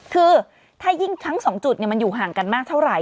คือถ้ายิ่งทั้ง๒จุดมันอยู่ห่างกันมากเท่าไหร